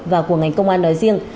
và của ngành công an nói riêng